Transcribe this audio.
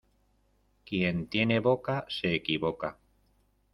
Quien tiene boca se equivoca.